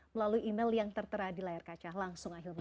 melalui email yang tertera di layar kaca langsung ahilman